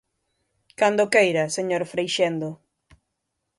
Cando queira, señor Freixendo.